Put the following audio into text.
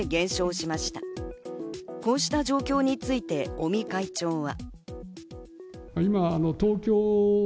こうした状況について尾身会長は。